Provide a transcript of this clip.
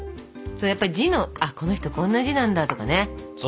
やっぱり字の「この人こんな字なんだ」とかね。